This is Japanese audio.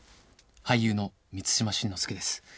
俳優の満島真之介です。